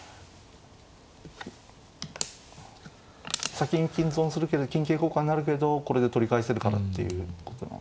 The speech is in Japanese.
先に金損するけど金桂交換なるけどこれで取り返せるかなっていうことなんですかね。